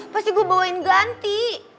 pasti gua bawain ganti